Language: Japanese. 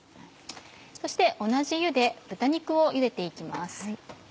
そして同じ湯で豚肉をゆでて行きます。